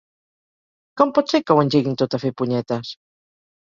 Com pot ser que ho engeguin tot a fer punyetes?